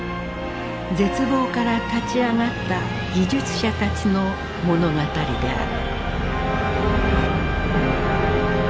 絶望から立ち上がった技術者たちの物語である。